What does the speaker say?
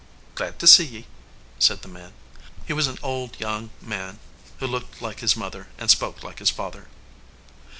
"Glad to see ye," said the man. He was an old young man who looked like his mother and spoke like his father.